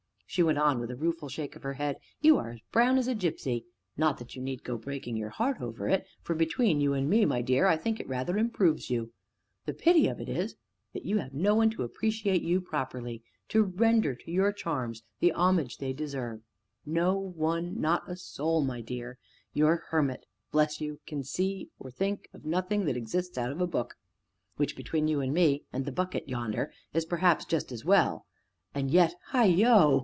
she went on, with a rueful shake of her head, "you are as brown as a gipsy not that you need go breaking your heart over it for, between you and me, my dear, I think it rather improves you; the pity of it is that you have no one to appreciate you properly to render to your charms the homage they deserve, no one not a soul, my dear; your hermit, bless you! can see, or think, of nothing that exists out of a book which, between you and me and the bucket yonder, is perhaps just as well and yet heigho!